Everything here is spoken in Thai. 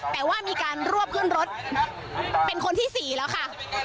แต่ว่ามีการรวบขึ้นรถเป็นคนที่๔แล้วค่ะ